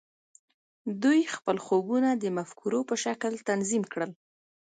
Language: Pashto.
دوی خپل خوبونه د مفکورو په شکل تنظیم کړل